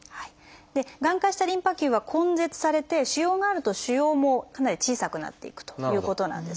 がん化したリンパ球は根絶されて腫瘍があると腫瘍もかなり小さくなっていくということなんですね。